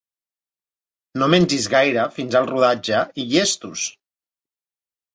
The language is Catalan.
No mengis gaire fins al rodatge i llestos!